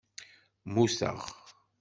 Mmuteɣ.